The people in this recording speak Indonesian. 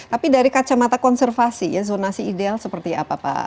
tapi dari kacamata konservasi ya zonasi ideal seperti apa pak